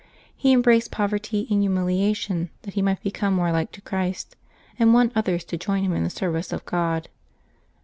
He embraced poverty and humiliation, that he might become more like to Christ, and won others to join him in the service of God.